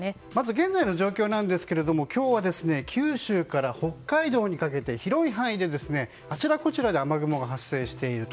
現在の状況ですが、今日は九州から北海道にかけての広い範囲で、あちらこちらで雨雲が発生していると。